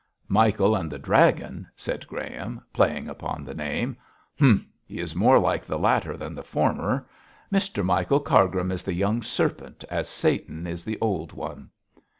'Michael and the Dragon!' said Graham, playing upon the name. 'Humph! he is more like the latter than the former. Mr Michael Cargrim is the young serpent as Satan is the old one.'